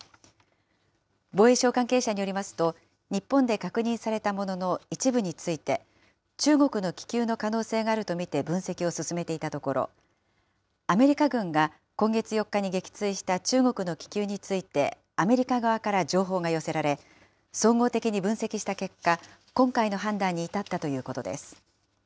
防衛省関係者によりますと、日本で確認されたものの一部について、中国の気球の可能性があると見て分析を進めていたところ、アメリカ軍が今月４日に撃墜した中国の気球について、アメリカ側から情報が寄せられ、総合的に分析した結果、今回の判断に至ったということです。